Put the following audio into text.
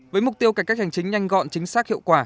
với mục tiêu cải cách hành chính nhanh gọn chính xác hiệu quả